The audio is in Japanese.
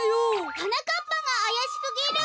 はなかっぱがあやしすぎる！